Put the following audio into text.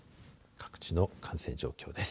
各地の感染状況です。